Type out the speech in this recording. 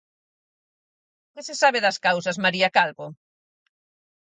Que se sabe das causas, María Calvo?